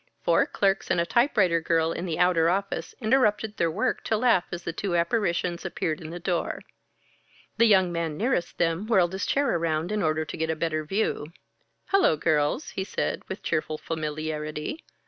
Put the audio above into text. Four clerks and a typewriter girl in the outer office interrupted their work to laugh as the two apparitions appeared in the door. The young man nearest them whirled his chair around in order to get a better view. "Hello, girls!" he said with cheerful familiarity.